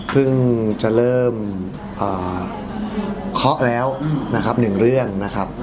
เพิ่งจะเริ่มคอล์กแล้วนะครับ๑เรื่องนะครับ